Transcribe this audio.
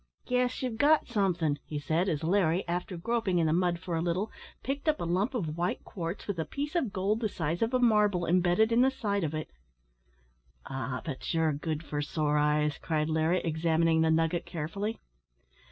"Guess you've got som'thin'," he said, as Larry, after groping in the mud for a little, picked up a lump of white quartz with a piece of gold the size of a marble embedded in the side of it. "Ah! but ye're good for sore eyes," cried Larry, examining the nugget carefully.